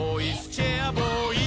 チェアボーイ！」